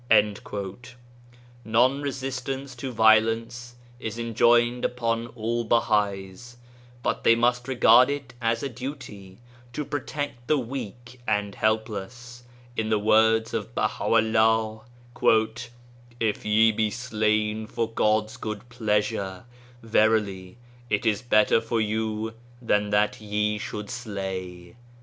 Non resistance to violence is enjoined upon all Bahais, but they must regard it as a duty to protect the weak and helpless — in the words of Baha'u'Uah — "If ye be slain for God's good pleasure, verily it is better for you than that ye should slay."